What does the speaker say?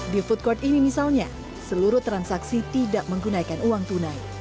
di food court ini misalnya seluruh transaksi tidak menggunakan uang tunai